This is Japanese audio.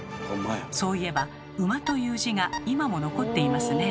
そういえば「馬」という字が今も残っていますね。